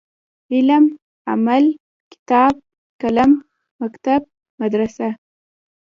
علم ،عمل ،کتاب ،قلم ،مکتب ،مدرسه